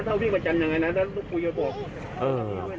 ถ้าวิ่งมาจัดหน่อยนะถ้าต้องคุยกับพวก